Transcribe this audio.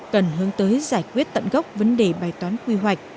cần hướng tới giải quyết tận gốc vấn đề bài toán quy hoạch